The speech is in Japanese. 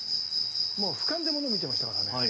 もう俯瞰でもの見てましたからね。